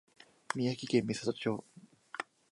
宮城県美里町